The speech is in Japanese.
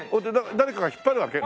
誰かが引っ張るわけ？